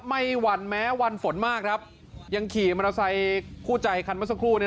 หวั่นแม้วันฝนมากครับยังขี่มอเตอร์ไซค์คู่ใจคันเมื่อสักครู่